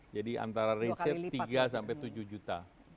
jadi antara riset tiga sampai tujuh juta